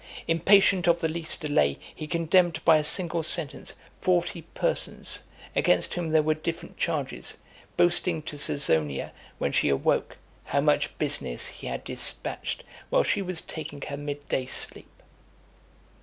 Impatient of the least delay, he condemned by a single sentence forty (279) persons, against whom there were different charges; boasting to Caesonia when she awoke, "how much business he had dispatched while she was taking her mid day sleep."